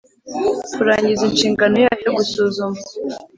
kurangiza inshingano yayo yo gusuzuma